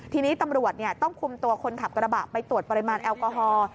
ทีนี้ตำรวจต้องคุมตัวคนขับกระบะไปตรวจปริมาณแอลกอฮอล์